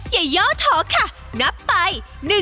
อย่าเยาวทอค่ะนับไป